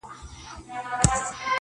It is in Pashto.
• برېتور دي چي ښخېږي د زمریو جنازې دي -